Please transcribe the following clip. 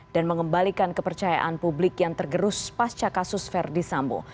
dan mengembalikan kepercayaan publik yang tergerus pasca kasus verdi sambo